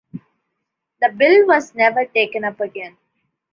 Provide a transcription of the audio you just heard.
The bill was never taken up again.